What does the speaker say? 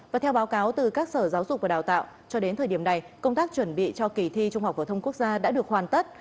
và theo báo cáo từ các sở giáo dục và đào tạo cho đến thời điểm này công tác chuẩn bị cho kỳ thi trung học phổ thông quốc gia đã được hoàn tất